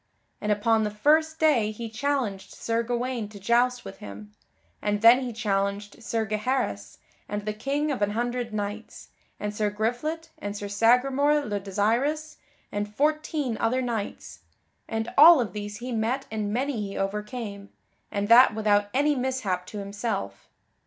And upon the first day he challenged Sir Gawaine to joust with him, and then he challenged Sir Gaheris, and the King of an Hundred Knights, and Sir Griflet, and Sir Sagramore le Desirous and fourteen other knights, and all of these he met and many he overcame, and that without any mishap to himself.